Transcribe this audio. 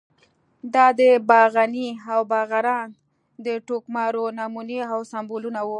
دا د باغني او باغران د ټوکمارو نمونې او سمبولونه وو.